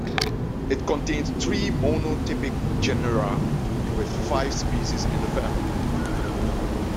It contains three monotypic genera, with five species in the family.